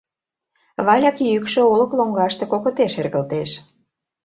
Валяк йӱкшӧ олык лоҥгаште кокыте шергылтеш...